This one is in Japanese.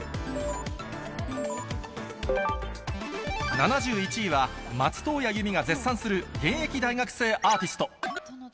７１位は、松任谷由実が絶賛する現役大学生アーティスト。